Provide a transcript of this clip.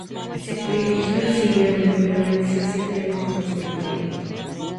Se dirigió a Siria, donde permaneció siete años como solitario.